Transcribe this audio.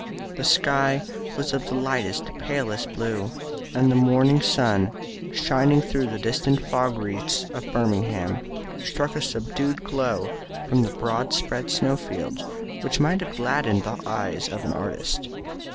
The sky was of the lightest palest blue, and the morning sun, shining through the distant fog wreaths of Birmingham, struck a subdued glow from the broad spread snow fields which might have gladdened the eyes of an artist.